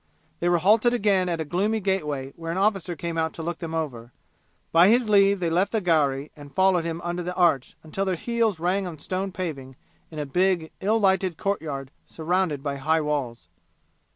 They were halted again at a gloomy gateway where an officer came out to look them over; by his leave they left the gharry and followed him under the arch until their heels rang on stone paving in a big ill lighted courtyard surrounded by high walls.